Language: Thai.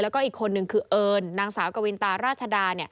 แล้วก็อีกคนนึงคือเอิญนางสาวกวินตาราชดา